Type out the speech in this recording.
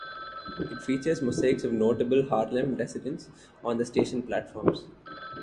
It features mosaics of notable Harlem residents on the station platforms.